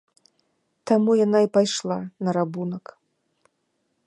Таму яна і пайшла на рабунак.